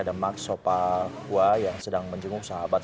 ada max sopakwa yang sedang menjemuh sahabat